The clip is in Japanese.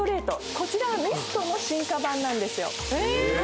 こちらはミストの進化版なんですよ。